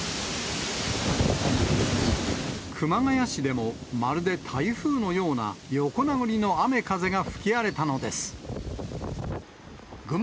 熊谷市でもまるで台風のような、横殴りの雨、風が吹き荒れたのです。